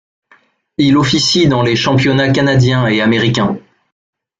Il officie dans les championnats canadien et américain.